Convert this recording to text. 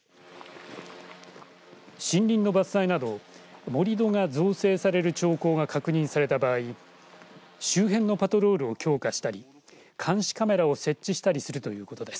森林の伐採など盛り土が造成される兆候が確認された場合周辺のパトロールを強化したり監視カメラを設置したりするということです。